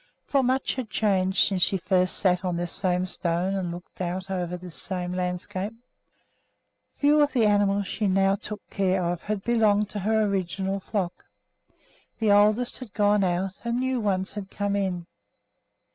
For much had changed since she first sat on this same stone and looked out over this same landscape. Few of the animals she now took care of had belonged to her original flock; the oldest had gone out and new ones had come in.